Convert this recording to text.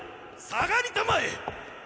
下がりたまえ！